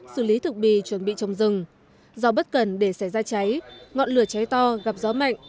xử lý thực bì chuẩn bị trồng rừng do bất cần để xảy ra cháy ngọn lửa cháy to gặp gió mạnh